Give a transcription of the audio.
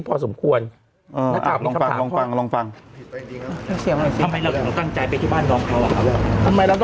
ไป